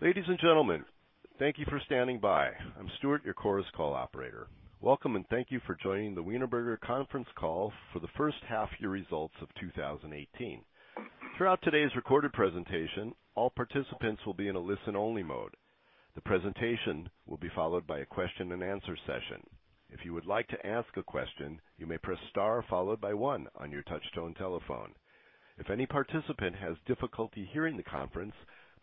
Ladies and gentlemen, thank you for standing by. I'm Stuart, your Chorus Call operator. Welcome, and thank you for joining the Wienerberger conference call for the first half year results of 2018. Throughout today's recorded presentation, all participants will be in a listen-only mode. The presentation will be followed by a question and answer session. If you would like to ask a question, you may press star followed by one on your touchtone telephone. If any participant has difficulty hearing the conference,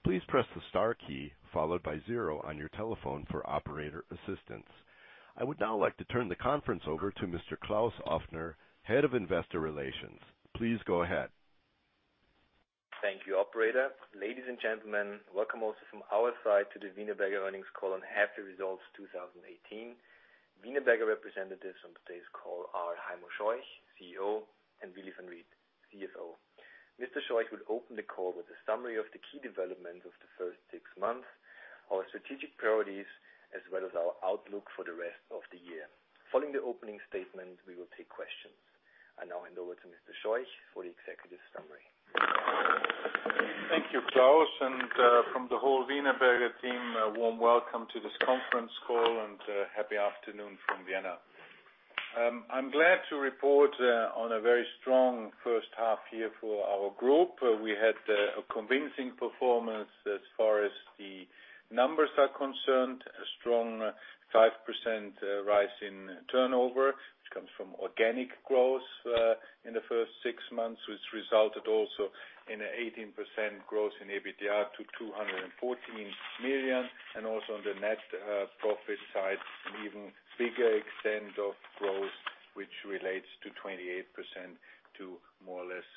please press the star key followed by zero on your telephone for operator assistance. I would now like to turn the conference over to Mr. Klaus Ofner, Head of Investor Relations. Please go ahead. Thank you, operator. Ladies and gentlemen, welcome also from our side to the Wienerberger earnings call on half year results 2018. Wienerberger representatives on today's call are Heimo Scheuch, CEO, and Willy Van Riet, CFO. Mr. Scheuch will open the call with a summary of the key developments of the first six months, our strategic priorities, as well as our outlook for the rest of the year. Following the opening statement, we will take questions. I now hand over to Mr. Scheuch for the executive summary. Thank you, Klaus, and from the whole Wienerberger team, a warm welcome to this conference call and happy afternoon from Vienna. I'm glad to report on a very strong first half year for our group. We had a convincing performance as far as the numbers are concerned. A strong 5% rise in turnover, which comes from organic growth in the first six months, which resulted also in an 18% growth in EBITDA to 214 million. Also on the net profit side, an even bigger extent of growth, which relates to 28%, to more or less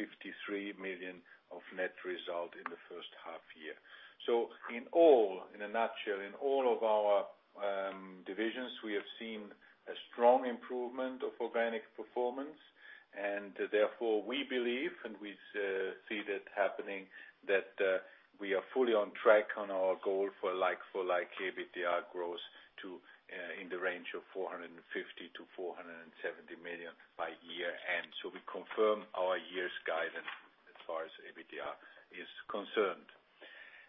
53 million of net result in the first half year. In a nutshell, in all of our divisions, we have seen a strong improvement of organic performance, and therefore we believe, and we see that happening, that we are fully on track on our goal for like-for-like EBITDA growth in the range of 450 million to 470 million by year-end. We confirm our year's guidance as far as EBITDA is concerned.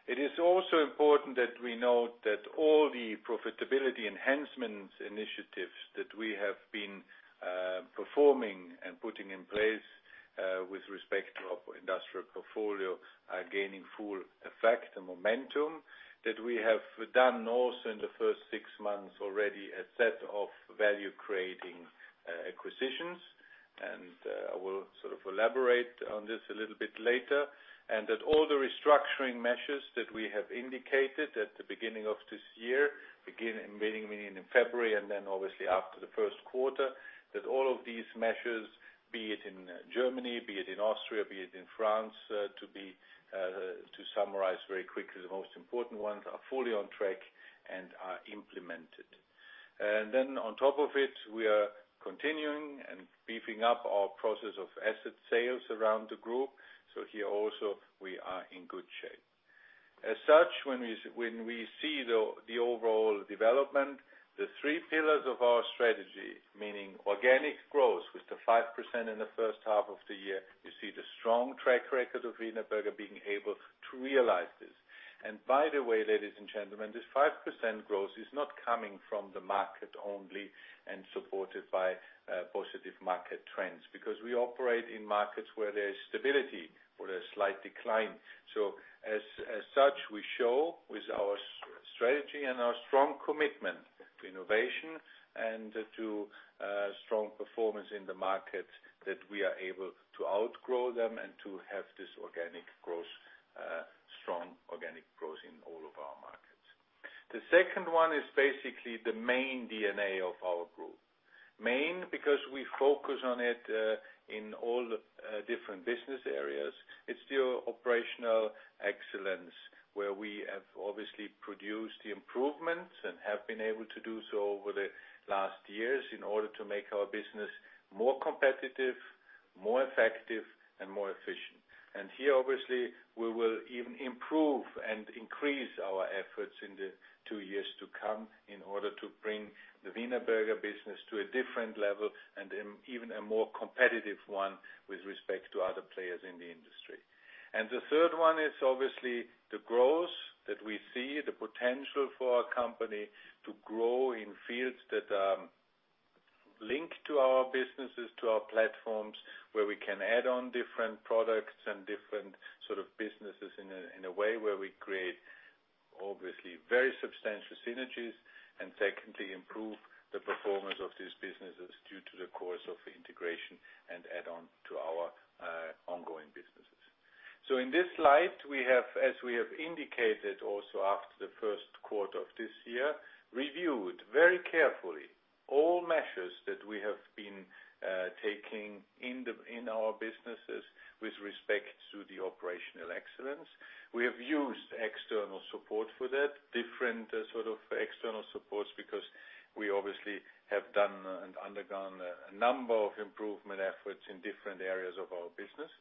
It is also important that we note that all the profitability enhancements initiatives that we have been performing and putting in place with respect to our industrial portfolio are gaining full effect and momentum that we have done also in the first six months already a set of value-creating acquisitions. I will elaborate on this a little bit later. That all the restructuring measures that we have indicated at the beginning of this year, beginning in February and then obviously after the first quarter, that all of these measures, be it in Germany, be it in Austria, be it in France, to summarize very quickly, the most important ones are fully on track and are implemented. Then on top of it, we are continuing and beefing up our process of asset sales around the group. Here also, we are in good shape. As such, when we see the overall development, the three pillars of our strategy, meaning organic growth with the 5% in the first half of the year, you see the strong track record of Wienerberger being able to realize this. By the way, ladies and gentlemen, this 5% growth is not coming from the market only and supported by positive market trends, because we operate in markets where there is stability or a slight decline. As such, we show with our strategy and our strong commitment to innovation and to strong performance in the market that we are able to outgrow them and to have this strong organic growth in all of our markets. The second one is basically the main DNA of our group. Main because we focus on it in all different business areas. It's the operational excellence where we have obviously produced the improvements and have been able to do so over the last years in order to make our business more competitive, more effective, and more efficient. Here, obviously, we will even improve and increase our efforts in the two years to come in order to bring the Wienerberger business to a different level and in even a more competitive one with respect to other players in the industry. The third one is obviously the growth that we see, the potential for our company to grow in fields that are linked to our businesses, to our platforms, where we can add on different products and different sort of businesses in a way where we create obviously very substantial synergies and secondly, improve the performance of these businesses due to the course of integration and add on to our ongoing businesses. In this slide, we have, as we have indicated also after the first quarter of this year, reviewed very carefully all measures that we have been taking in our businesses with respect to the operational excellence. We have used external support for that, different sort of external supports, because we obviously have done and undergone a number of improvement efforts in different areas of our business.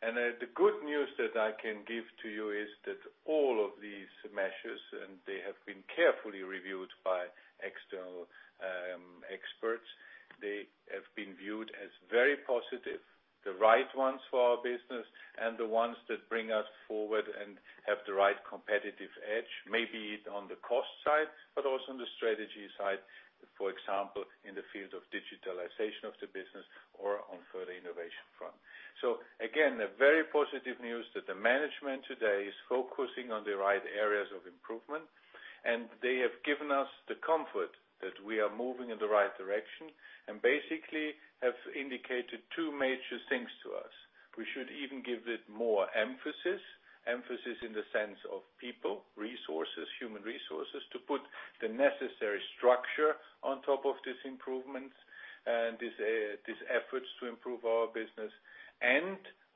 The good news that I can give to you is that all of these measures, and they have been carefully reviewed by external experts. They have been viewed as very positive, the right ones for our business, and the ones that bring us forward and have the right competitive edge, maybe on the cost side, but also on the strategy side, for example, in the field of digitalization of the business or on further innovation front. Again, a very positive news that the management today is focusing on the right areas of improvement, and they have given us the comfort that we are moving in the right direction and basically have indicated two major things to us. We should even give it more emphasis. Emphasis in the sense of people, resources, human resources, to put the necessary structure on top of these improvements and these efforts to improve our business.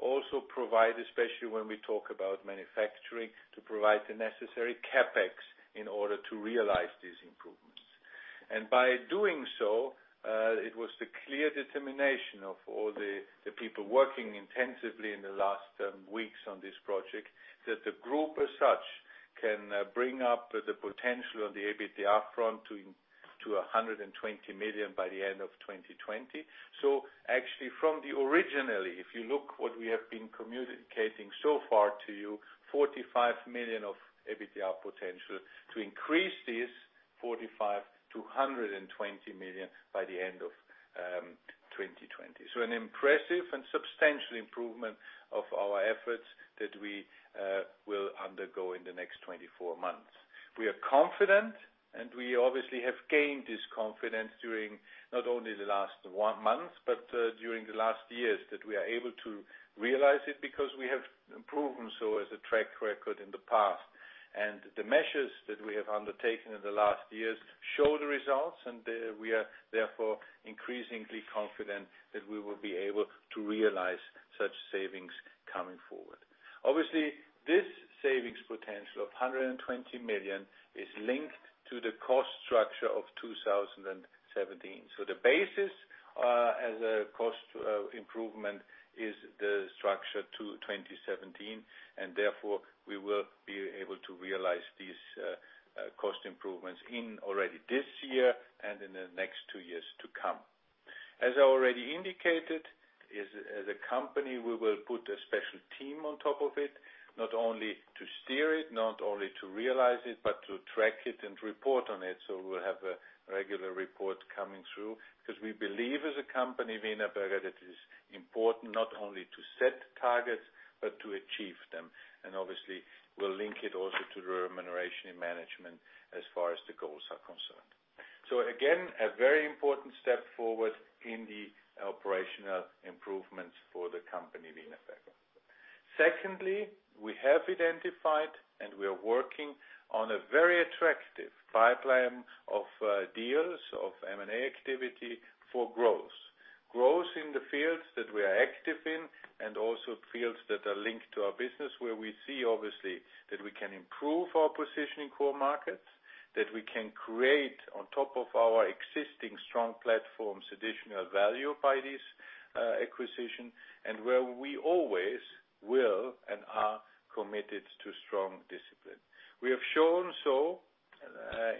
Also provide, especially when we talk about manufacturing, to provide the necessary CapEx in order to realize these improvements. By doing so, it was the clear determination of all the people working intensively in the last weeks on this project that the group as such can bring up the potential on the EBITDA front to 120 million by the end of 2020. Actually from the originally, if you look what we have been communicating so far to you, 45 million of EBITDA potential to increase this 45 to 120 million by the end of 2020. An impressive and substantial improvement of our efforts that we will undergo in the next 24 months. We are confident, and we obviously have gained this confidence during not only the last one month, but during the last years that we are able to realize it because we have proven so as a track record in the past. The measures that we have undertaken in the last years show the results, and we are therefore increasingly confident that we will be able to realize such savings coming forward. Obviously, this savings potential of 120 million is linked to the cost structure of 2017. The basis as a cost improvement is the structure to 2017, and therefore, we will be able to realize these cost improvements in already this year and in the next two years to come. As I already indicated, as a company, we will put a special team on top of it, not only to steer it, not only to realize it, but to track it and report on it. We'll have a regular report coming through because we believe as a company, Wienerberger, that it is important not only to set targets but to achieve them. Obviously, we'll link it also to the remuneration in management as far as the goals are concerned. Again, a very important step forward in the operational improvements for the company, Wienerberger. Secondly, we have identified and we are working on a very attractive pipeline of deals of M&A activity for growth. Growth in the fields that we are active in and also fields that are linked to our business where we see obviously that we can improve our position in core markets, that we can create on top of our existing strong platforms additional value by this acquisition, and where we always will and are committed to strong discipline. We have shown so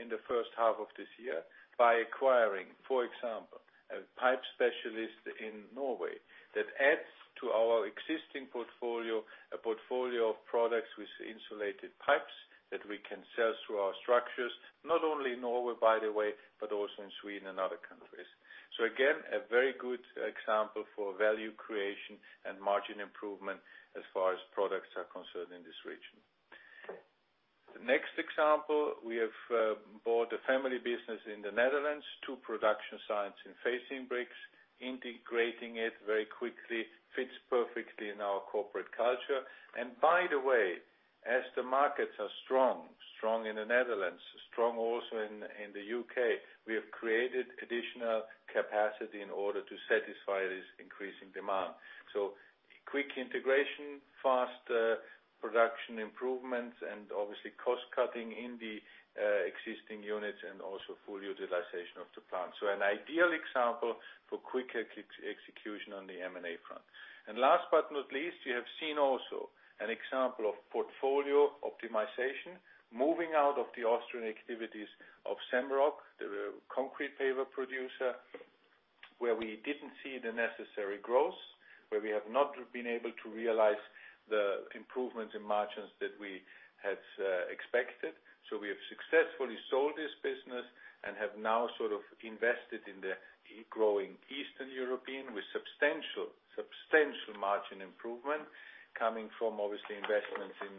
in the first half of this year by acquiring, for example, a pipe specialist in Norway that adds to our existing portfolio, a portfolio of products with insulated pipes that we can sell through our structures, not only in Norway, by the way, but also in Sweden and other countries. Again, a very good example for value creation and margin improvement as far as products are concerned in this region. The next example, we have bought a family business in the Netherlands, two production sites and facing bricks, integrating it very quickly, fits perfectly in our corporate culture. By the way, as the markets are strong in the Netherlands, strong also in the U.K., we have created additional capacity in order to satisfy this increasing demand. Quick integration, fast production improvements, and obviously cost-cutting in the existing units and also full utilization of the plant. An ideal example for quick execution on the M&A front. Last but not least, you have seen also an example of portfolio optimization, moving out of the Austrian activities of Semmelrock, the concrete paver producer, where we didn't see the necessary growth, where we have not been able to realize the improvements in margins that we had expected. We have successfully sold this business and have now sort of invested in the growing Eastern European with substantial margin improvement coming from obviously investments in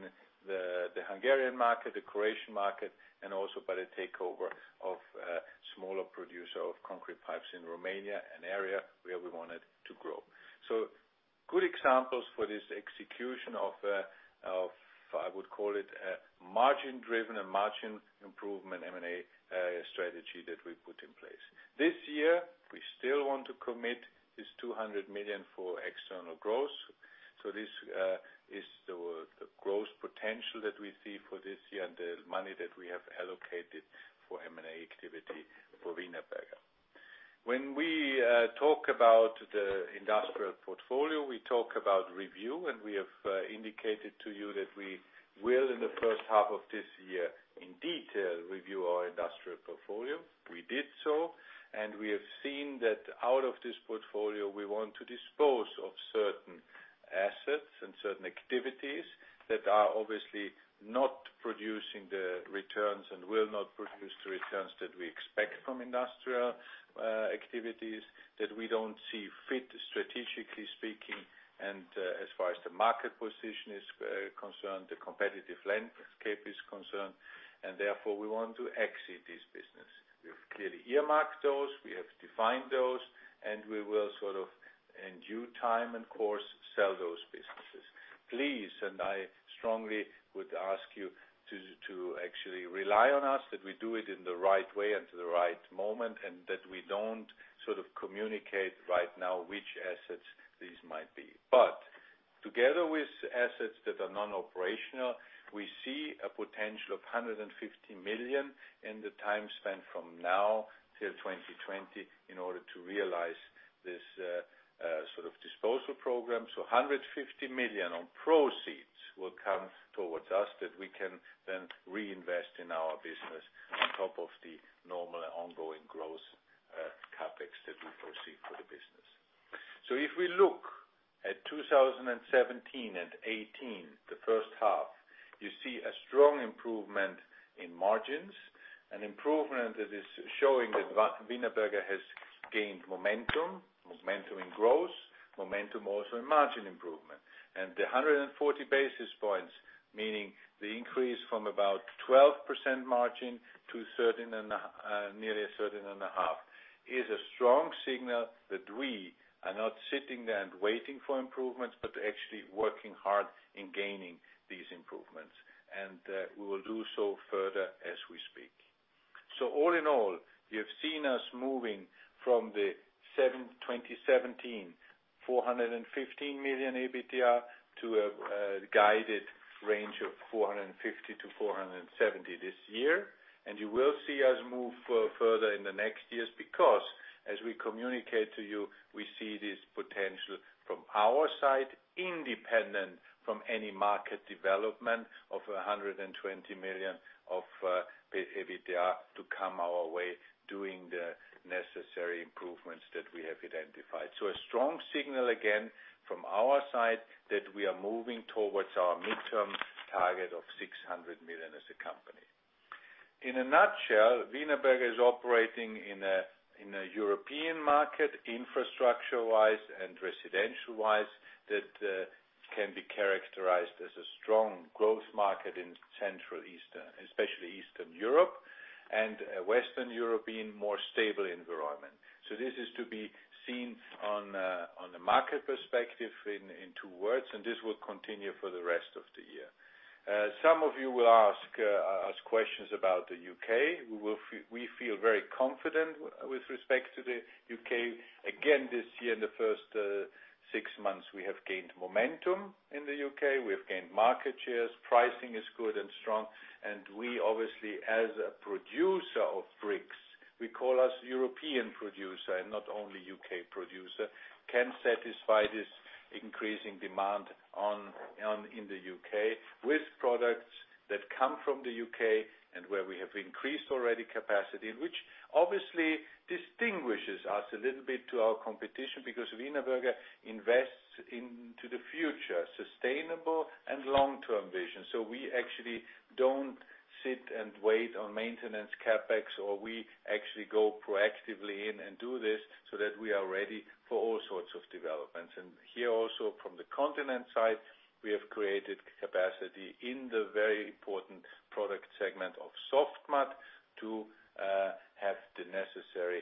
the Hungarian market, the Croatian market, and also by the takeover of a smaller producer of concrete pipes in Romania, an area where we wanted to grow. Good examples for this execution of, I would call it a margin-driven and margin improvement M&A strategy that we put in place. This year, we still want to commit this 200 million for external growth. This is the growth potential that we see for this year and the money that we have allocated for M&A activity for Wienerberger. When we talk about the industrial portfolio, we talk about review, and we have indicated to you that we will, in the first half of this year In detail, review our industrial portfolio. We did so, we have seen that out of this portfolio, we want to dispose of certain assets and certain activities that are obviously not producing the returns and will not produce the returns that we expect from industrial activities that we don't see fit, strategically speaking, as far as the market position is concerned, the competitive landscape is concerned, therefore, we want to exit this business. We've clearly earmarked those, we have defined those, and we will in due time and course, sell those businesses. Please, I strongly would ask you to actually rely on us, that we do it in the right way and to the right moment, and that we don't communicate right now which assets these might be. Together with assets that are non-operational, we see a potential of 150 million in the time span from now till 2020 in order to realize this sort of disposal program. 150 million on proceeds will come towards us that we can then reinvest in our business on top of the normal ongoing growth CapEx that we foresee for the business. If we look at 2017 and 2018, the first half, you see a strong improvement in margins, an improvement that is showing that Wienerberger has gained momentum in growth, momentum also in margin improvement. The 140 basis points, meaning the increase from about 12% margin to nearly 13.5%, is a strong signal that we are not sitting there and waiting for improvements, but actually working hard in gaining these improvements. We will do so further as we speak. All in all, you have seen us moving from the 2017 415 million EBITDA to a guided range of 450 million to 470 million this year. You will see us move further in the next years because, as we communicate to you, we see this potential from our side, independent from any market development of 120 million of EBITDA to come our way, doing the necessary improvements that we have identified. A strong signal again from our side that we are moving towards our midterm target of 600 million as a company. In a nutshell, Wienerberger is operating in a European market, infrastructure-wise and residential-wise, that can be characterized as a strong growth market in Central Eastern, especially Eastern Europe, and Western European, more stable environment. This is to be seen on a market perspective in two words, and this will continue for the rest of the year. Some of you will ask us questions about the U.K. We feel very confident with respect to the U.K. Again, this year, in the first six months, we have gained momentum in the U.K. We have gained market shares. Pricing is good and strong. We obviously, as a producer of bricks, we call us European producer and not only U.K. producer, can satisfy this increasing demand in the U.K. with products that come from the U.K. and where we have increased already capacity, and which obviously distinguishes us a little bit to our competition, because Wienerberger invests into the future, sustainable and long-term vision. We actually don't sit and wait on maintenance CapEx, or we actually go proactively in and do this so that we are ready for all sorts of developments. Here also from the continent side, we have created capacity in the very important product segment of Soft Mud to have the necessary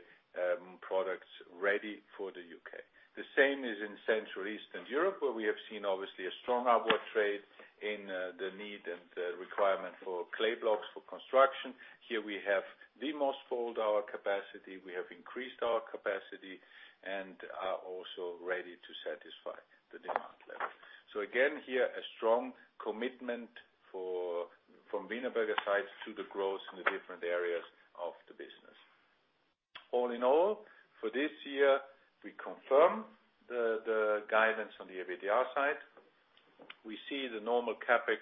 products ready for the U.K. The same is in Central Eastern Europe, where we have seen obviously a strong upward trade in the need and the requirement for clay blocks for construction. Here we have almost doubled our capacity. We have increased our capacity and are also ready to satisfy the demand level. Again, here, a strong commitment from Wienerberger's side to the growth in the different areas of the business. All in all, for this year, we confirm the guidance on the EBITDA side. We see the normal CapEx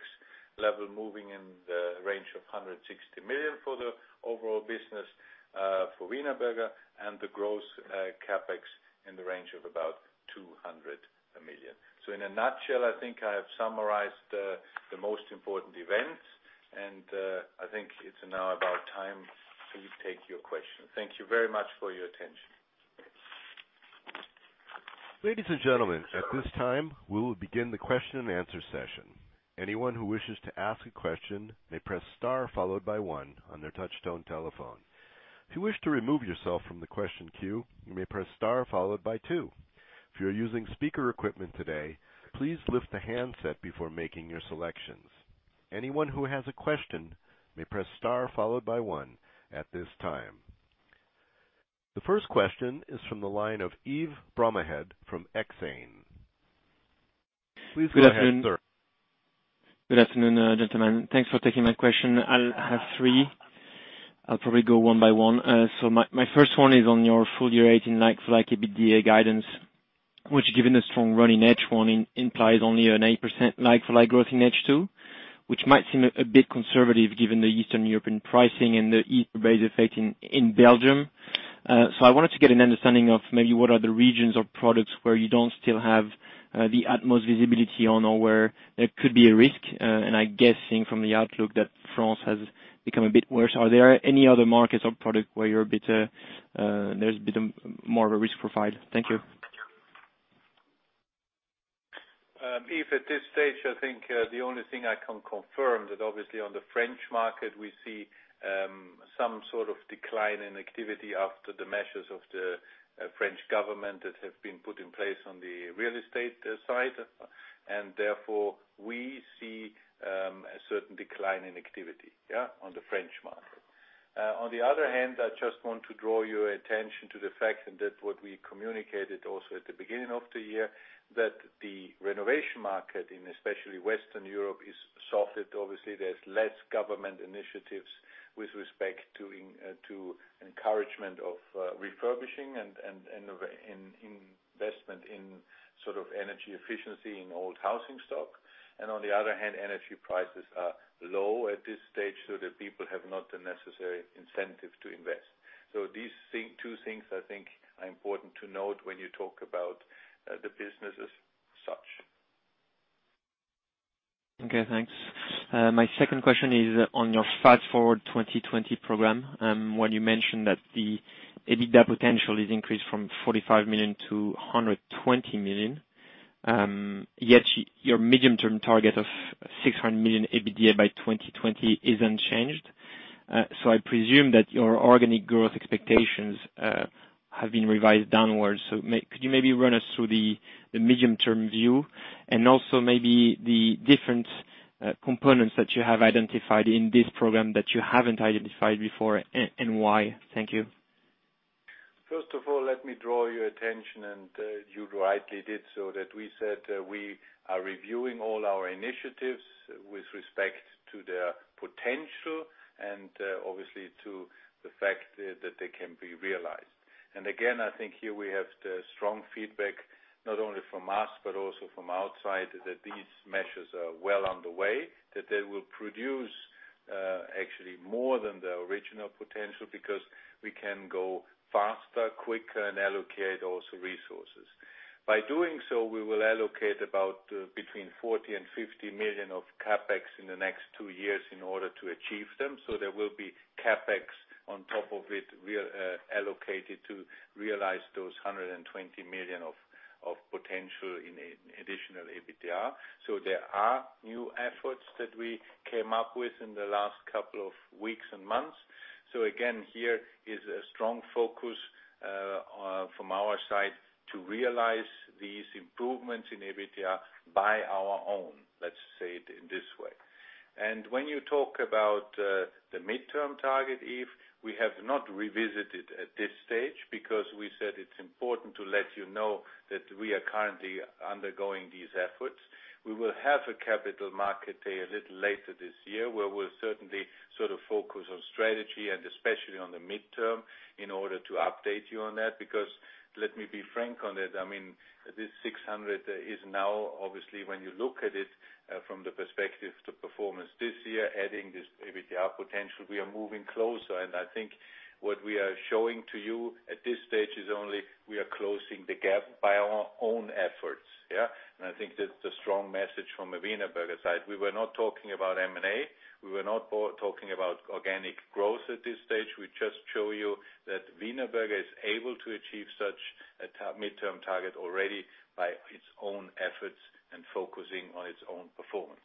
level moving in the range of 160 million for the overall business for Wienerberger and the growth CapEx in the range of about 200 million. In a nutshell, I think I have summarized the most important events, and I think it's now about time to take your questions. Thank you very much for your attention. Ladies and gentlemen, at this time, we will begin the question and answer session. Anyone who wishes to ask a question may press star followed by one on their touchtone telephone. If you wish to remove yourself from the question queue, you may press star followed by two. If you're using speaker equipment today, please lift the handset before making your selections. Anyone who has a question may press star followed by one at this time. The first question is from the line of Yves Bomela from Exane. Please go ahead, sir. Good afternoon, gentlemen. Thanks for taking my question. I'll have three I'll probably go one by one. My first one is on your full year 2018 like-for-like EBITDA guidance, which given the strong run in H1 implies only an 8% like-for-like growth in H2, which might seem a bit conservative given the Eastern European pricing and the Easter base effect in Belgium. I wanted to get an understanding of maybe what are the regions or products where you don't still have the utmost visibility on or where there could be a risk. I'm guessing from the outlook that France has become a bit worse. Are there any other markets or product where there's a bit more of a risk profile? Thank you. Yves, at this stage, I think, the only thing I can confirm that obviously on the French market, we see some sort of decline in activity after the measures of the French government that have been put in place on the real estate side. Therefore, we see a certain decline in activity on the French market. On the other hand, I just want to draw your attention to the fact, and that what we communicated also at the beginning of the year, that the renovation market in especially Western Europe is softened. Obviously, there's less government initiatives with respect to encouragement of refurbishing and investment in sort of energy efficiency in old housing stock. On the other hand, energy prices are low at this stage the people have not the necessary incentive to invest. These two things I think are important to note when you talk about the business as such. Okay, thanks. My second question is on your Fast Forward 2020 program, when you mentioned that the EBITDA potential is increased from 45 million to 120 million. Yet your medium-term target of 600 million EBITDA by 2020 is unchanged. I presume that your organic growth expectations have been revised downwards. Could you maybe run us through the medium-term view and also maybe the different components that you have identified in this program that you haven't identified before and why? Thank you. First of all, let me draw your attention, and you rightly did so, that we said we are reviewing all our initiatives with respect to their potential and obviously to the fact that they can be realized. Again, I think here we have the strong feedback, not only from us but also from outside, that these measures are well on the way, that they will produce actually more than the original potential because we can go faster, quicker and allocate also resources. By doing so, we will allocate about between 40 million and 50 million of CapEx in the next two years in order to achieve them. There will be CapEx on top of it allocated to realize those 120 million of potential in additional EBITDA. There are new efforts that we came up with in the last couple of weeks and months. Again, here is a strong focus from our side to realize these improvements in EBITDA by our own. Let's say it in this way. When you talk about the midterm target, Yves, we have not revisited at this stage because we said it's important to let you know that we are currently undergoing these efforts. We will have a capital market day a little later this year, where we'll certainly sort of focus on strategy and especially on the midterm in order to update you on that. Let me be frank on it, I mean, this 600 is now obviously when you look at it from the perspective to performance this year, adding this EBITDA potential, we are moving closer. I think what we are showing to you at this stage is only we are closing the gap by our own efforts. Yeah? I think that's the strong message from the Wienerberger side. We were not talking about M&A. We were not talking about organic growth at this stage. We just show you that Wienerberger is able to achieve such a midterm target already by its own efforts and focusing on its own performance.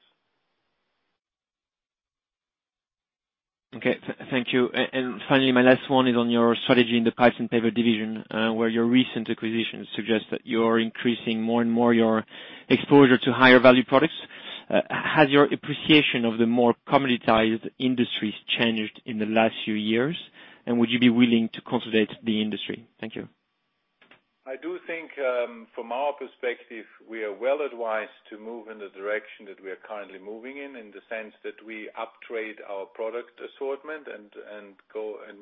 Okay. Thank you. Finally, my last one is on your strategy in the Pipes & Pavers division, where your recent acquisitions suggest that you're increasing more and more your exposure to higher value products. Has your appreciation of the more commoditized industries changed in the last few years? Would you be willing to consolidate the industry? Thank you. I do think, from our perspective, we are well advised to move in the direction that we are currently moving in the sense that we upgrade our product assortment and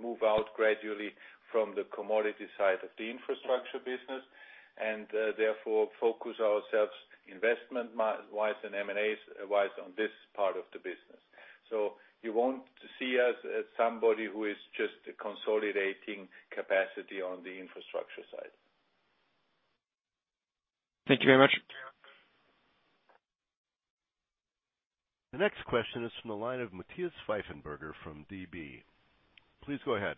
move out gradually from the commodity side of the infrastructure business. Therefore, focus ourselves investment-wise and M&A-wise on this part of the business. You won't see us as somebody who is just consolidating capacity on the infrastructure side. Thank you very much. The next question is from the line of Matthias Pfeifenberger from DB. Please go ahead.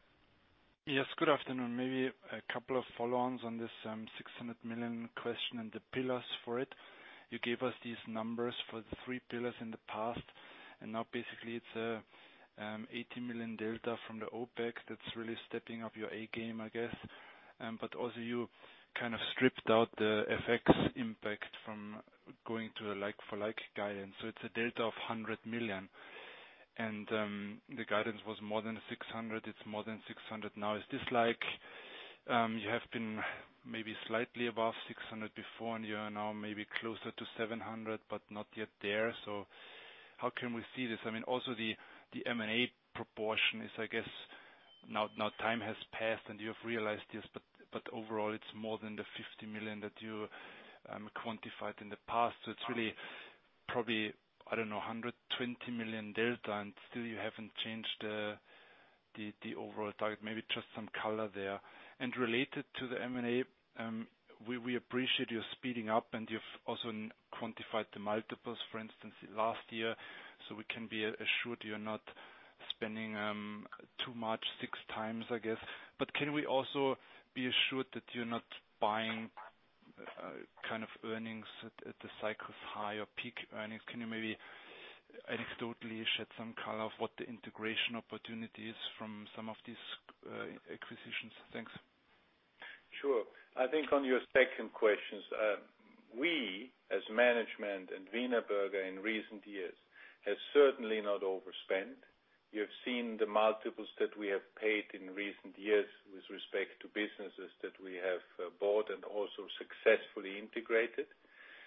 Yes, good afternoon. Maybe a couple of follow-ons on this 600 million question and the pillars for it. You gave us these numbers for the three pillars in the past, basically it's a 80 million delta from the OpEx that's really stepping up your A game, I guess. Also you kind of stripped out the FX impact from going to a like-for-like guidance. It's a delta of 100 million. The guidance was more than 600. It's more than 600 now. Is this like You have been maybe slightly above 600 before and you are now maybe closer to 700, but not yet there. How can we see this? Also the M&A proportion is, I guess now time has passed and you have realized this, but overall it's more than the 50 million that you quantified in the past. It's really probably, I don't know, 120 million delta and still you haven't changed the overall target. Maybe just some color there. Related to the M&A, we appreciate you speeding up and you've also quantified the multiples, for instance, last year, so we can be assured you're not spending too much, 6x, I guess. Can we also be assured that you're not buying kind of earnings at the cycle's high or peak earnings? Can you maybe anecdotally shed some color of what the integration opportunity is from some of these acquisitions? Thanks. Sure. I think on your second questions, we as management and Wienerberger in recent years, have certainly not overspent. You've seen the multiples that we have paid in recent years with respect to businesses that we have bought and also successfully integrated.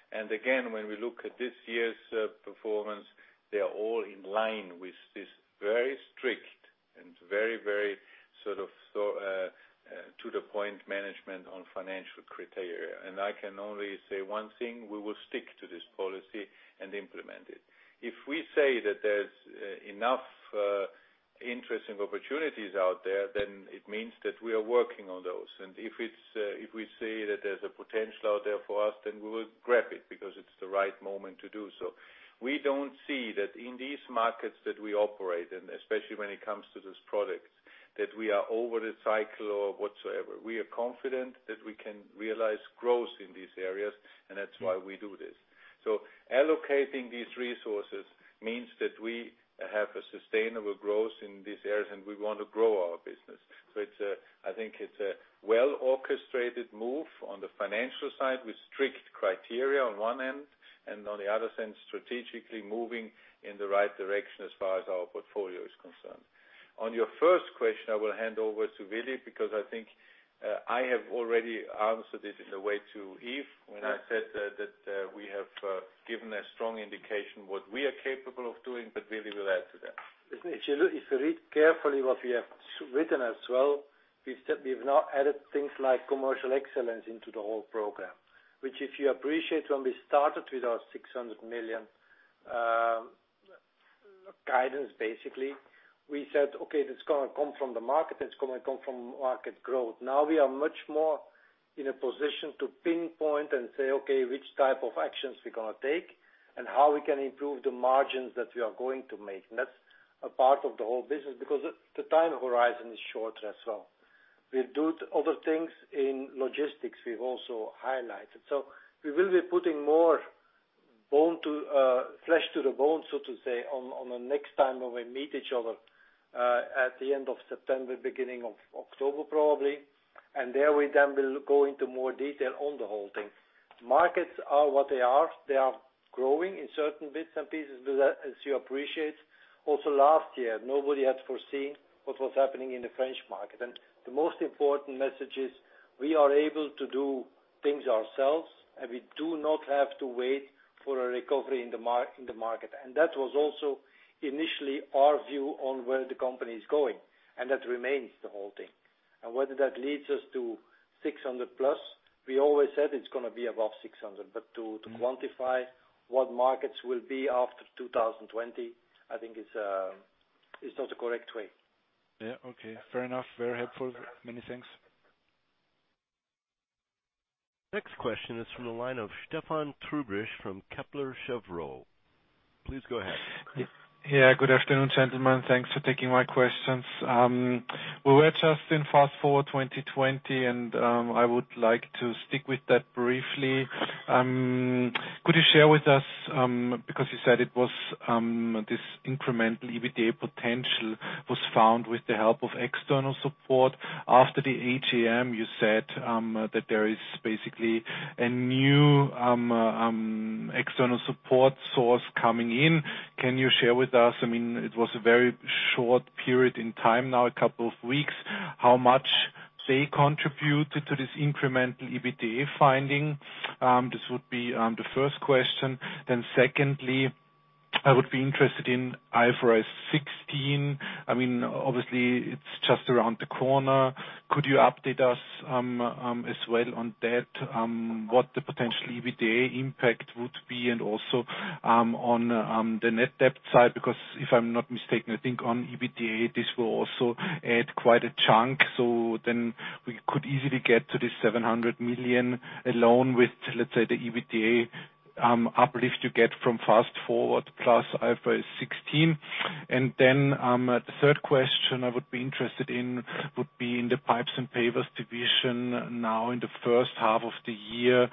Again, when we look at this year's performance, they are all in line with this very strict and very sort of to-the-point management on financial criteria. I can only say one thing, we will stick to this policy and implement it. If we say that there's enough interesting opportunities out there, then it means that we are working on those. If we say that there's a potential out there for us, then we will grab it because it's the right moment to do so. We don't see that in these markets that we operate, and especially when it comes to these products, that we are over the cycle or whatsoever. We are confident that we can realize growth in these areas, and that's why we do this. Allocating these resources means that we have a sustainable growth in these areas and we want to grow our business. I think it's a well-orchestrated move on the financial side with strict criteria on one end, and on the other end, strategically moving in the right direction as far as our portfolio is concerned. On your first question, I will hand over to Willy because I think I have already answered it in a way to Yves when I said that we have given a strong indication what we are capable of doing, but Willy will add to that. If you read carefully what we have written as well, we've now added things like commercial excellence into the whole program, which if you appreciate, when we started with our 600 million guidance, basically, we said, "Okay, that's going to come from the market. That's going to come from market growth." Now we are much more in a position to pinpoint and say, "Okay, which type of actions we're going to take and how we can improve the margins that we are going to make." That's a part of the whole business because the time horizon is shorter as well. We'll do other things in logistics we've also highlighted. We will be putting more flesh to the bone, so to say, on the next time when we meet each other, at the end of September, beginning of October, probably. There we then will go into more detail on the whole thing. Markets are what they are. They are growing in certain bits and pieces, but as you appreciate, also last year, nobody had foreseen what was happening in the French market. The most important message is we are able to do things ourselves, and we do not have to wait for a recovery in the market. That was also initially our view on where the company is going, and that remains the whole thing. Whether that leads us to 600 plus, we always said it's going to be above 600. To quantify what markets will be after 2020, I think it's not the correct way. Okay. Fair enough. Very helpful. Many thanks. Next question is from the line of Stephan Trubrich from Kepler Cheuvreux. Please go ahead. Good afternoon, gentlemen. Thanks for taking my questions. We were just in Fast Forward 2020, and I would like to stick with that briefly. Could you share with us, because you said it was this incremental EBITDA potential was found with the help of external support. After the AGM, you said that there is basically a new external support source coming in. Can you share with us, it was a very short period in time now, a couple of weeks, how much they contributed to this incremental EBITDA finding? This would be the first question. Secondly, I would be interested in IFRS 16. Obviously it's just around the corner. Could you update us as well on that, what the potential EBITDA impact would be and also on the net debt side? Because if I'm not mistaken, I think on EBITDA this will also add quite a chunk. We could easily get to this 700 million alone with, let's say the EBITDA uplift you get from Fast Forward plus IFRS 16. The third question I would be interested in would be in the Pipes & Pavers division now in the first half of the year,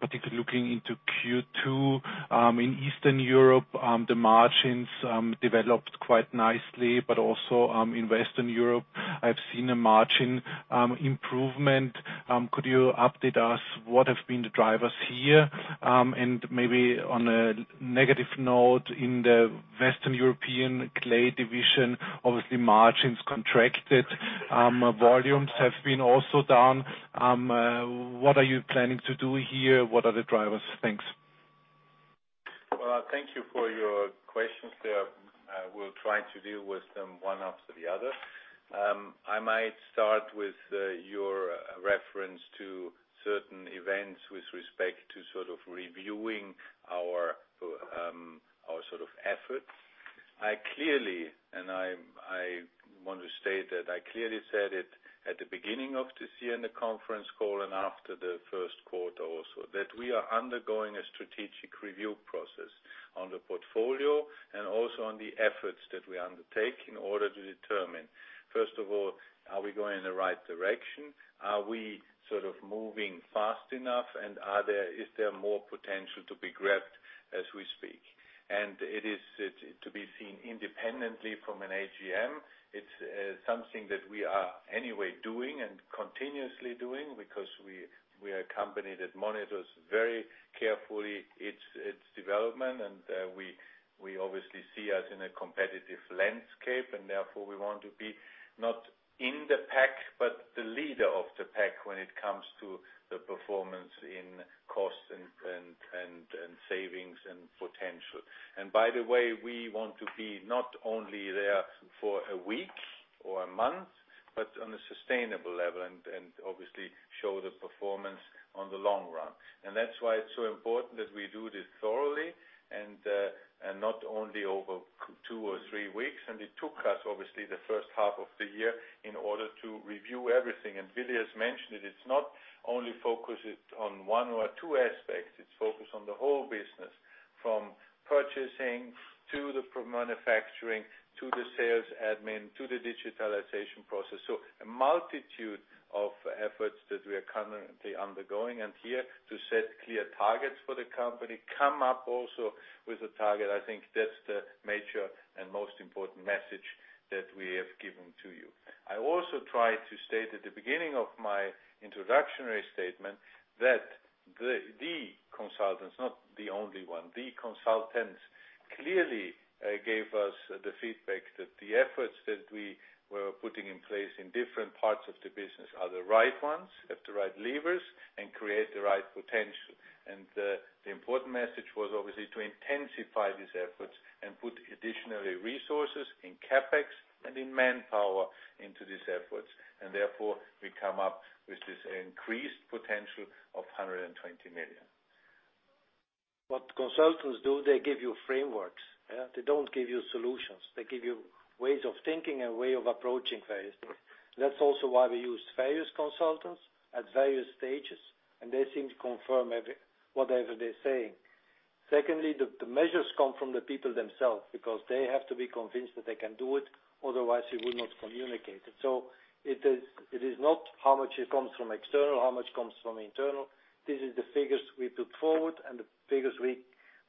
particularly looking into Q2. In Eastern Europe, the margins developed quite nicely, but also in Western Europe I've seen a margin improvement. Could you update us what have been the drivers here? Maybe on a negative note, in the Western European clay division, obviously margins contracted, volumes have been also down. What are you planning to do here? What are the drivers? Thanks. Well, thank you for your questions there. I will try to deal with them one after the other. I might start with your reference to certain events with respect to reviewing our efforts. I want to state that I clearly said it at the beginning of this year in the conference call and after the first quarter also, that we are undergoing a strategic review process on the portfolio and also on the efforts that we undertake in order to determine, first of all, are we going in the right direction? Are we moving fast enough and is there more potential to be grabbed as we speak? It is to be seen independently from an AGM. It's something that we are anyway doing and continuously doing because we are a company that monitors very carefully its development and we obviously see us in a competitive landscape, and therefore we want to be not in the pack, but the leader of the pack when it comes to the performance in cost and savings and potential. By the way, we want to be not only there for a week or a month, but on a sustainable level and obviously show the performance on the long run. That's why it's so important that we do this thoroughly and not only over two or three weeks. It took us, obviously, the first half of the year in order to review everything. Willy has mentioned it. It's not only focused on one or two aspects. It's focused on the whole business, from purchasing to the manufacturing, to the sales admin, to the digitalization process. A multitude of efforts that we are currently undergoing and here to set clear targets for the company, come up also with a target. I think that's the major and most important message that we have given to you. I also tried to state at the beginning of my introductory statement that the consultants, not the only one, the consultants clearly gave us the feedback that the efforts that we were putting in place in different parts of the business are the right ones, have the right levers and create the right potential. The important message was obviously to intensify these efforts and put additionally resources in CapEx and in manpower into these efforts. Therefore we come up with this increased potential of 120 million. What consultants do, they give you frameworks. They don't give you solutions. They give you ways of thinking and way of approaching various things. That's also why we use various consultants at various stages, and they seem to confirm whatever they're saying. Secondly, the measures come from the people themselves because they have to be convinced that they can do it, otherwise we would not communicate it. It is not how much it comes from external, how much comes from internal. This is the figures we put forward and the figures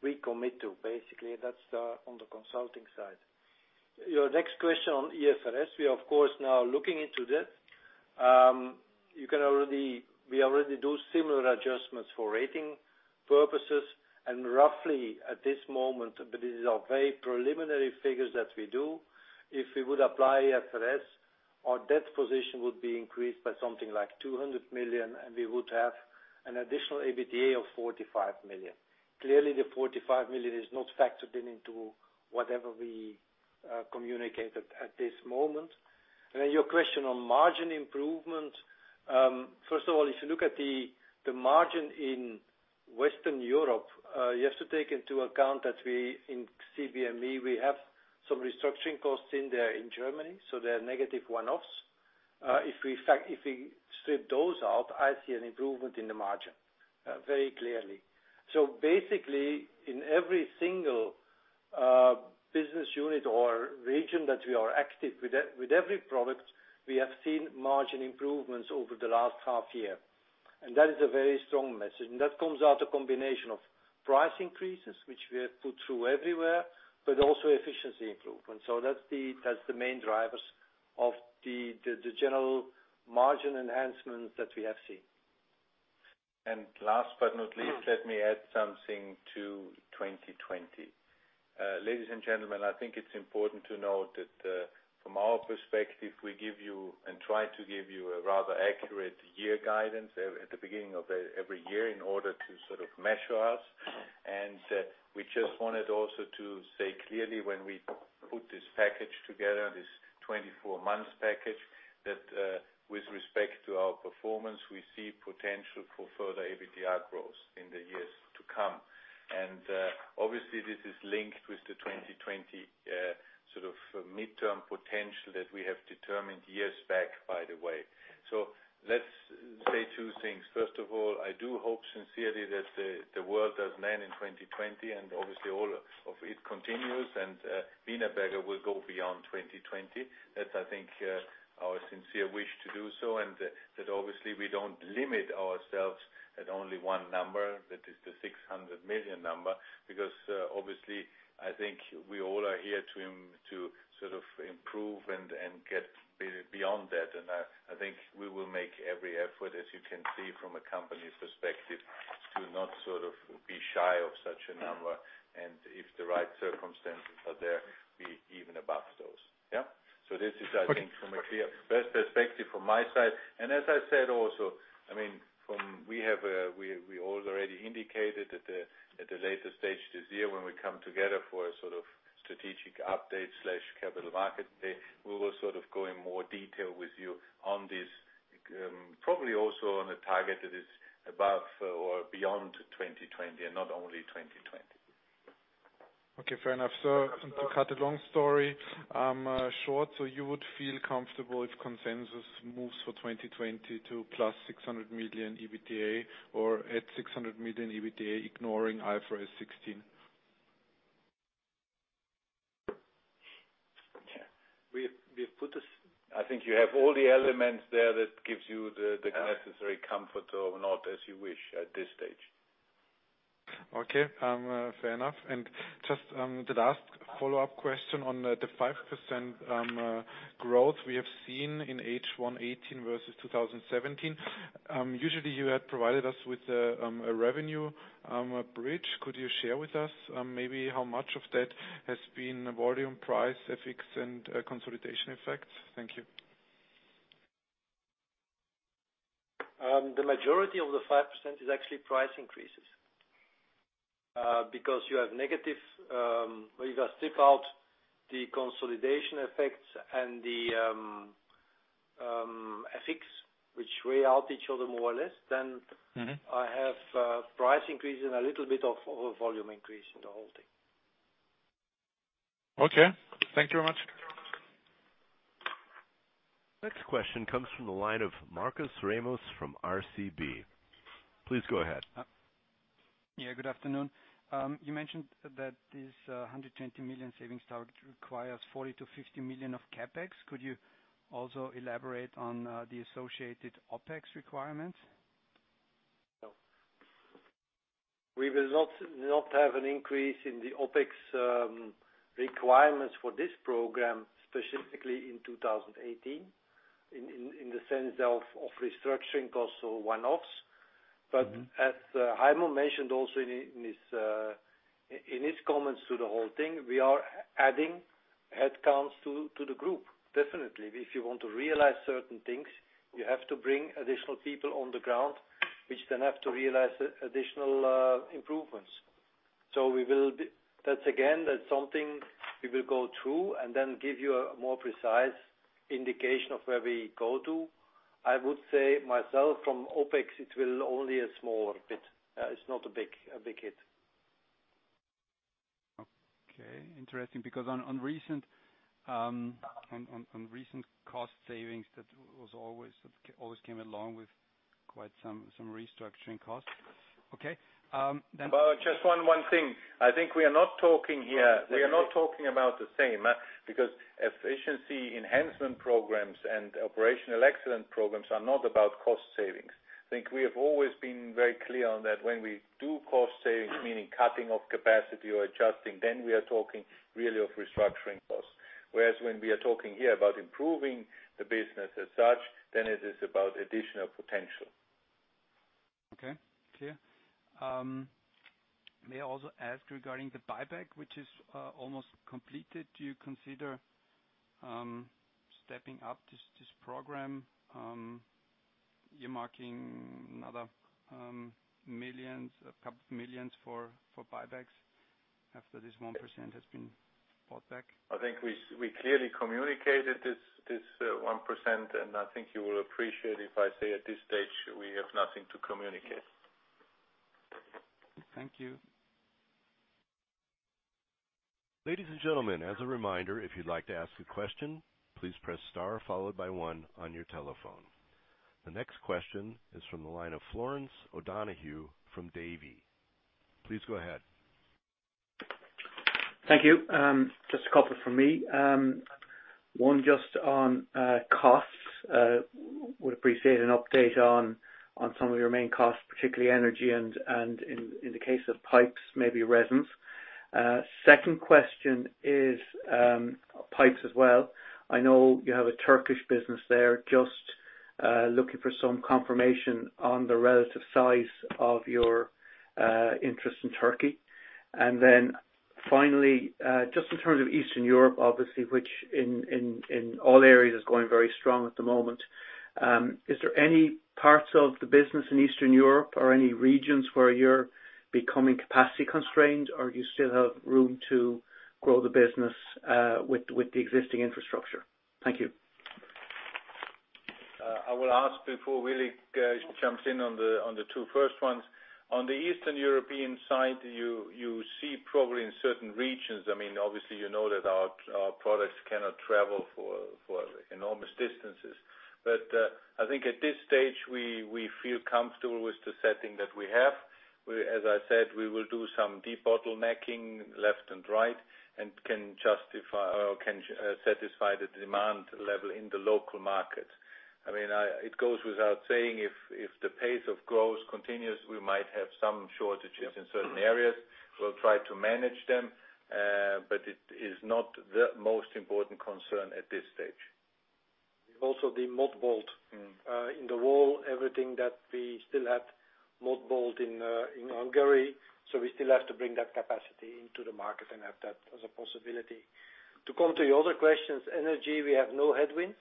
we commit to. Basically, that's on the consulting side. Your next question on IFRS, we are of course now looking into that. We already do similar adjustments for rating purposes and roughly at this moment, but these are very preliminary figures that we do. If we would apply IFRS, our debt position would be increased by something like 200 million and we would have an additional EBITDA of 45 million. Clearly, the 45 million is not factored into whatever we communicated at this moment. Your question on margin improvement. First of all, if you look at the margin in Western Europe, you have to take into account that we, in CBME, we have some restructuring costs in there in Germany, so they're negative one-offs. If we strip those out, I see an improvement in the margin very clearly. Basically in every single business unit or region that we are active with every product, we have seen margin improvements over the last half year. That is a very strong message. That comes out a combination of price increases, which we have put through everywhere, but also efficiency improvements. That's the main drivers of the general margin enhancements that we have seen. Last but not least, let me add something to 2020. Ladies and gentlemen, I think it's important to note that from our perspective, we give you and try to give you a rather accurate year guidance at the beginning of every year in order to measure us. We just wanted also to say clearly when we put this package together, this 24 months package, that with respect to our performance, we see potential for further EBITDA growth in the years to come. Obviously this is linked with the 2020 midterm potential that we have determined years back, by the way. Let's say two things. First of all, I do hope sincerely that the world does land in 2020 and obviously all of it continues and Wienerberger will go beyond 2020. That's I think our sincere wish to do so and that obviously we don't limit ourselves at only one number, that is the 600 million number, because obviously I think we all are here to improve and get beyond that. I think we will make every effort, as you can see from a company perspective, to not be shy of such a number and if the right circumstances are there, be even above those. Yeah? This is, I think, from a clear best perspective from my side. As I said also, we have already indicated that at a later stage this year when we come together for a sort of strategic update/capital market day, we will go in more detail with you on this. Probably also on a target that is above or beyond 2020, and not only 2020. Okay, fair enough. To cut a long story short, you would feel comfortable if consensus moves for 2020 to plus 600 million EBITDA or at 600 million EBITDA, ignoring IFRS 16? Yeah. I think you have all the elements there that gives you the necessary comfort or not as you wish at this stage. Okay, fair enough. Just the last follow-up question on the 5% growth we have seen in H1 2018 versus 2017. Usually, you had provided us with a revenue bridge. Could you share with us maybe how much of that has been volume, price, FX, and consolidation effects? Thank you. The majority of the 5% is actually price increases. Because you have negative, where you strip out the consolidation effects and the FX, which weigh out each other more or less. I have a price increase and a little bit of overall volume increase in the whole thing. Okay. Thank you very much. Next question comes from the line of Markus Remis from RCB. Please go ahead. Yeah, good afternoon. You mentioned that this 120 million savings target requires 40 million to 50 million of CapEx. Could you also elaborate on the associated OpEx requirements? No. We will not have an increase in the OpEx requirements for this program, specifically in 2018, in the sense of restructuring costs or one-offs. As Heimo mentioned also in his comments to the whole thing, we are adding headcounts to the group, definitely. If you want to realize certain things, you have to bring additional people on the ground, which then have to realize additional improvements. That's again, that's something we will go through and then give you a more precise indication of where we go to. I would say myself, from OpEx, it will only a small bit. It's not a big hit. Okay. Interesting, because on recent cost savings, that always came along with quite some restructuring costs. Okay. Just one thing. I think we are not talking here about the same, because efficiency enhancement programs and operational excellence programs are not about cost savings. I think we have always been very clear on that when we do cost savings, meaning cutting of capacity or adjusting, then we are talking really of restructuring costs. Whereas when we are talking here about improving the business as such, then it is about additional potential. Okay. Clear. May I also ask regarding the buyback, which is almost completed. Do you consider stepping up this program? You're marking another couple of millions for buybacks after this 1% has been bought back. I think we clearly communicated this 1%, and I think you will appreciate if I say at this stage, we have nothing to communicate. Thank you. Ladies and gentlemen, as a reminder, if you'd like to ask a question, please press star followed by one on your telephone. The next question is from the line of Florence O'Donohue from Davy. Please go ahead. Thank you. A couple from me. One just on costs. Would appreciate an update on some of your main costs, particularly energy and in the case of pipes, maybe resins. Second question is pipes as well. I know you have a Turkish business there. Just looking for some confirmation on the relative size of your interest in Turkey. Finally, just in terms of Eastern Europe, obviously, which in all areas is going very strong at the moment. Is there any parts of the business in Eastern Europe or any regions where you're becoming capacity constrained, or you still have room to grow the business with the existing infrastructure? Thank you. I will ask before Willy jumps in on the two first ones. On the Eastern European side, you see probably in certain regions, obviously, you know that our products cannot travel for enormous distances. I think at this stage, we feel comfortable with the setting that we have, where, as I said, we will do some debottlenecking left and right, and can satisfy the demand level in the local market. It goes without saying, if the pace of growth continues, we might have some shortages in certain areas. We'll try to manage them. It is not the most important concern at this stage. The mothballed in the wall, everything that we still had mothballed in Hungary. We still have to bring that capacity into the market and have that as a possibility. To come to your other questions, energy, we have no headwinds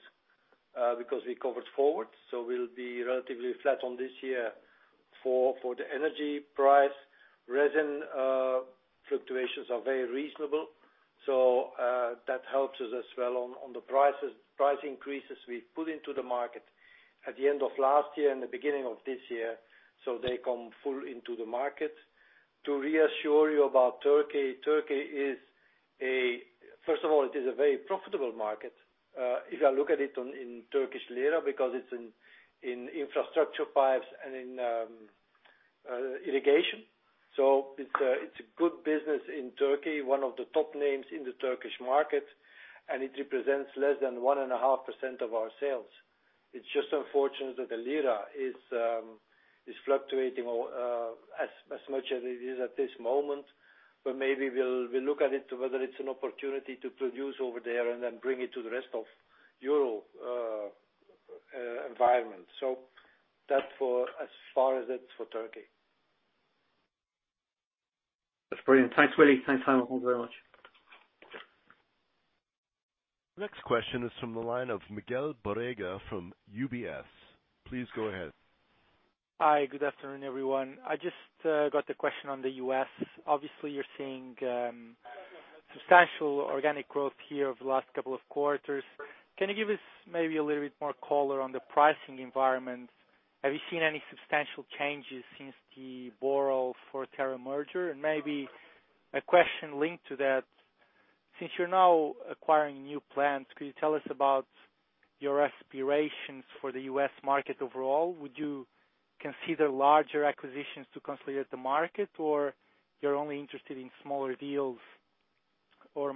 because we covered forward, we'll be relatively flat on this year for the energy price. Resin fluctuations are very reasonable, that helps us as well on the price increases we put into the market at the end of last year and the beginning of this year, they come full into the market. To reassure you about Turkey is, first of all, it is a very profitable market. If I look at it in Turkish lira, because it's in infrastructure pipes and in irrigation. It's a good business in Turkey, one of the top names in the Turkish market, and it represents less than 1.5% of our sales. It's just unfortunate that the lira is fluctuating as much as it is at this moment. Maybe we'll look at it to whether it's an opportunity to produce over there and then bring it to the rest of euro environment. That's for as far as it's for Turkey. That's brilliant. Thanks, Willy. Thanks, Heimo. Thank you very much. Next question is from the line of Miguel Borrega from UBS. Please go ahead. Hi, good afternoon, everyone. I just got a question on the U.S. Obviously, you're seeing substantial organic growth here over the last couple of quarters. Can you give us maybe a little bit more color on the pricing environment? Have you seen any substantial changes since the Boral Forterra merger? Maybe a question linked to that, since you're now acquiring new plants, could you tell us about your aspirations for the U.S. market overall? Would you consider larger acquisitions to consolidate the market, or you're only interested in smaller deals?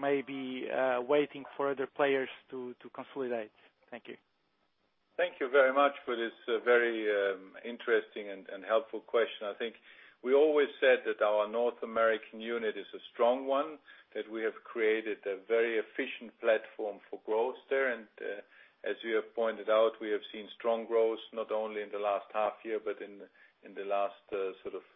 Maybe waiting for other players to consolidate. Thank you. Thank you very much for this very interesting and helpful question. I think we always said that our North American unit is a strong one, that we have created a very efficient platform for growth there. As you have pointed out, we have seen strong growth not only in the last half year, but in the last sort of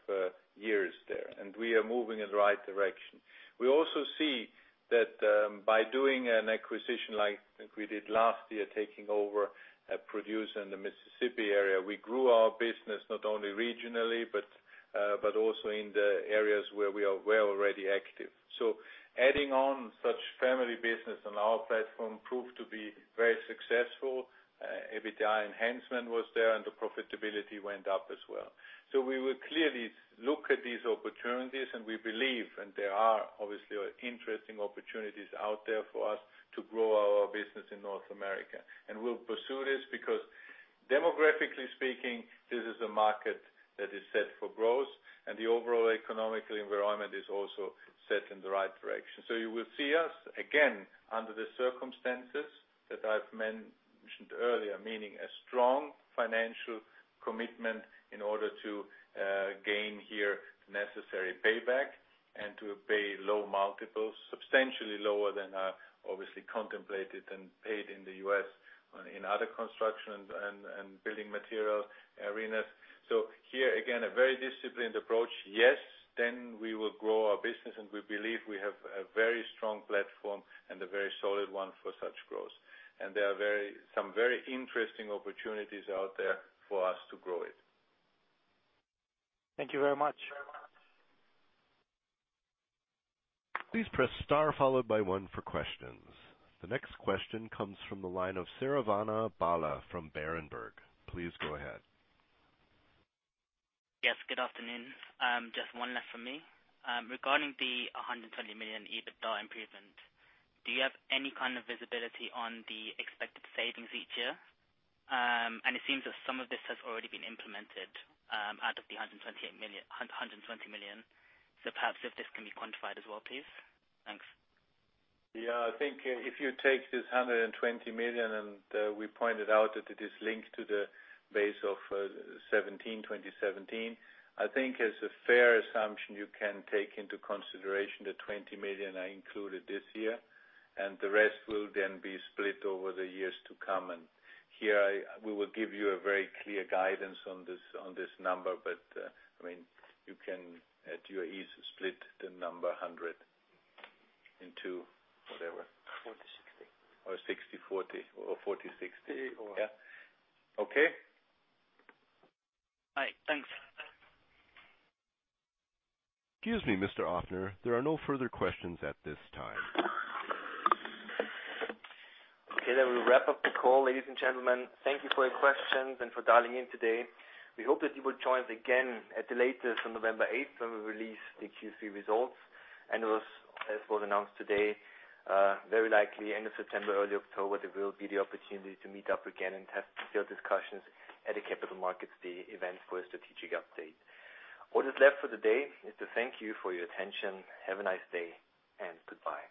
years there. We are moving in the right direction. We also see that by doing an acquisition like we did last year, taking over a producer in the Mississippi area, we grew our business not only regionally but also in the areas where we were already active. Adding on such family business on our platform proved to be very successful. EBITDA enhancement was there, and the profitability went up as well. We will clearly look at these opportunities, and we believe, there are obviously interesting opportunities out there for us to grow our business in North America. We'll pursue this because demographically speaking, this is a market that is set for growth, and the overall economic environment is also set in the right direction. You will see us again, under the circumstances that I've mentioned earlier, meaning a strong financial commitment in order to gain here necessary payback and to pay low multiples, substantially lower than are obviously contemplated and paid in the U.S. in other construction and building material arenas. Here, again, a very disciplined approach. Yes, we will grow our business, and we believe we have a very strong platform and a very solid one for such growth. There are some very interesting opportunities out there for us to grow it. Thank you very much. Please press star followed by one for questions. The next question comes from the line of Saravana Bala from Berenberg. Please go ahead. Yes, good afternoon. Just one left from me. Regarding the 120 million EBITDA improvement, do you have any kind of visibility on the expected savings each year? It seems that some of this has already been implemented out of the 120 million. Perhaps if this can be quantified as well, please. Thanks. I think if you take this 120 million, we pointed out that it is linked to the base of 2017. I think as a fair assumption, you can take into consideration the 20 million I included this year, the rest will then be split over the years to come. Here we will give you a very clear guidance on this number, but you can, at your ease, split the number 100 into whatever. 40/60. 60/40 or 40/60. Or- Yeah. Okay? All right, thanks. Excuse me, Mr. Ofner. There are no further questions at this time. Okay, we'll wrap up the call. Ladies and gentlemen, thank you for your questions and for dialing in today. We hope that you will join us again at the latest on November 8th when we release the Q3 results. As was announced today, very likely end of September, early October, there will be the opportunity to meet up again and have detailed discussions at a capital markets day event for a strategic update. What is left for the day is to thank you for your attention. Have a nice day, and goodbye